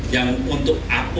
yang untuk apungnya itu